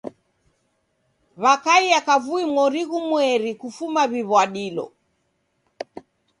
W'akaie kavui mori ghumweri kufuma w'iw'adilo.